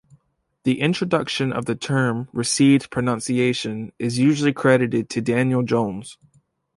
The introduction of the term "Received Pronunciation" is usually credited to Daniel Jones.